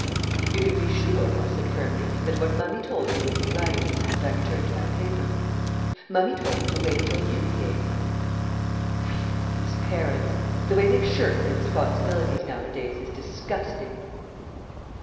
"You can be sure," I said firmly, "that what Mummy told you would be right," and I returned to my paper. "Mummy told me to wait till you came." Really, these parents! The way they shirk their responsibilities nowadays is disgusting.